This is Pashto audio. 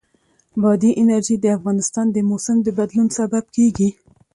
بادي انرژي د افغانستان د موسم د بدلون سبب کېږي.